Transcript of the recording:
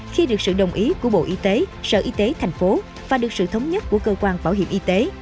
khi được sự đồng ý của bộ y tế sở y tế thành phố và được sự thống nhất của cơ quan bảo hiểm y tế